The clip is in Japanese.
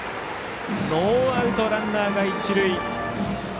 ノーアウト、ランナーが一塁。